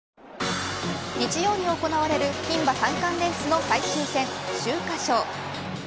日曜に行われる牝馬三冠レースの最終戦秋華賞。